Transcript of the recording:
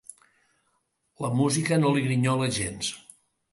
La música no li grinyola gens.